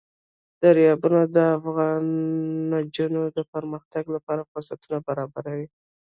دریابونه د افغان نجونو د پرمختګ لپاره فرصتونه برابروي.